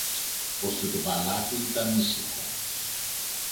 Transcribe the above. Ώστε το παλάτι ήταν ήσυχο.